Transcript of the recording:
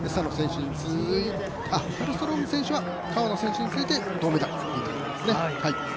カルストローム選手は川野選手に次いで銅メダルということですね。